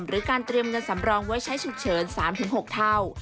หรือการเตรียมเงินสำรองไว้ใช้ฉุกเฉิน๓๖เท่า